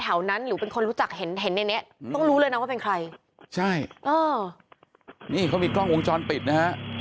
นั้นหรือเป็นคนรู้จักเห็นเห็นในเนี้ยต้องรู้เลยนะว่าเป็นใครใช่เออนี่เขามีกล้องวงจรปิดนะฮะ